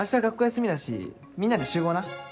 休みだしみんなで集合な。